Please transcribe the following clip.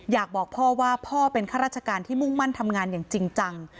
อยากบอกพ่อว่าพ่อเป็นข้าราชการที่มุ่งมั่นทำงานอย่างจริงจัง